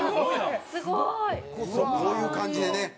すごい！こういう感じでね。